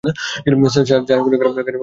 Sir, যা-ই হোক না কেন অভিযোগ তুলবো না।